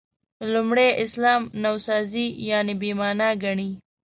لومړي اسلام نوسازي «بې معنا» ګڼي.